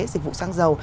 dịch vụ xăng dầu